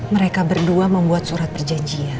mereka berdua membuat surat perjanjian